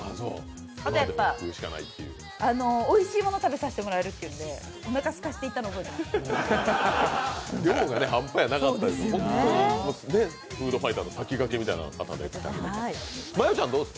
あとおいしいものを食べさせてもらえるというのでおなかすかせて行ったの覚えています。